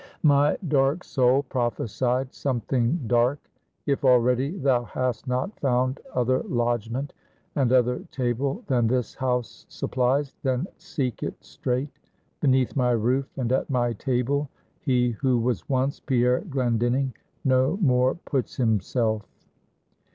"My dark soul prophesied something dark. If already thou hast not found other lodgment, and other table than this house supplies, then seek it straight. Beneath my roof, and at my table, he who was once Pierre Glendinning no more puts himself."